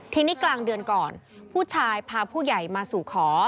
ทีนี้กลางเดือนก่อนผู้ชายพาผู้ใหญ่มาสู่ขอ